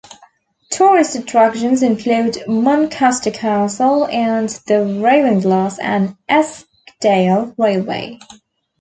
Tourist attractions include Muncaster Castle and the Ravenglass and Eskdale Railway.